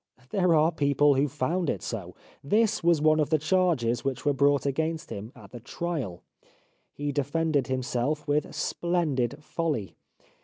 There are people who found it so. This was one of the charges which were brought against him at the trial. He defended himself with splendid folly.